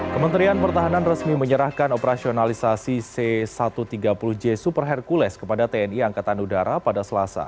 kementerian pertahanan resmi menyerahkan operasionalisasi c satu ratus tiga puluh j super hercules kepada tni angkatan udara pada selasa